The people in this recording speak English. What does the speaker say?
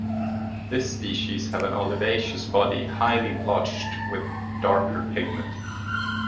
This species have an olivaceous body, highly blotched with darker pigment.